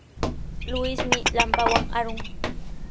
Luismi lampawan arun.